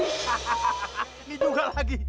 ini juga lagi